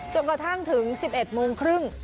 กระทั่งถึง๑๑โมงครึ่ง